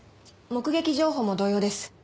目撃情報も同様です。